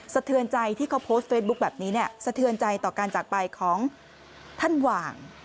เทือนใจที่เขาโพสต์เฟซบุ๊คแบบนี้เนี่ยสะเทือนใจต่อการจากไปของท่านหว่าง